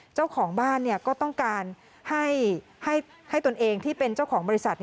เจ้าของบ้านก็ต้องการให้ตนเองที่เป็นเจ้าของบริษัท